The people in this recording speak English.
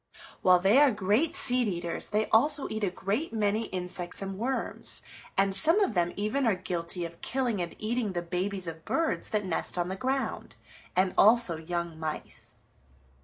While they are great seed eaters they also eat a great many insects and worms, and some of them even are guilty of killing and eating the babies of birds that nest on the ground, and also young mice.